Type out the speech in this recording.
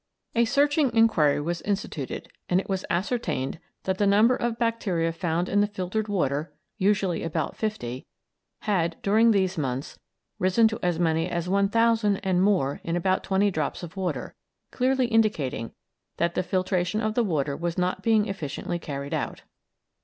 A searching inquiry was instituted, and it was ascertained that the number of bacteria found in the filtered water, usually about fifty, had during these months risen to as many as 1,000 and more in about twenty drops of water, clearly indicating that the filtration of the water was not being efficiently carried out.